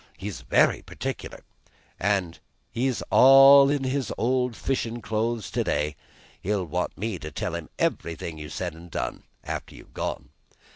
"He's very particular, and he's all in his old fishin' clothes to day. He'll want me to tell him everything you said and done, after you've gone.